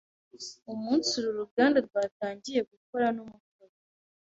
umunsi uru ruganda rwatangiye gukora n’umutobe